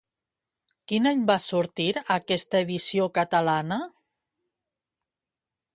Quin any va sortir aquesta edició catalana?